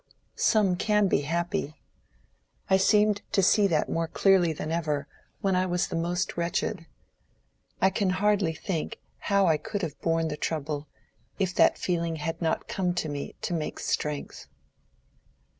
Some can be happy. I seemed to see that more clearly than ever, when I was the most wretched. I can hardly think how I could have borne the trouble, if that feeling had not come to me to make strength."